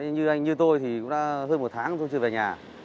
như anh như tôi thì cũng đã hơn một tháng tôi chưa về nhà